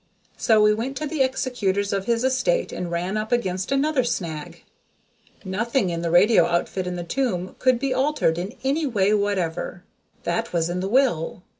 So we went to the executors of his estate and ran up against another snag nothing in the radio outfit in the tomb could be altered in any way whatever. That was in the will.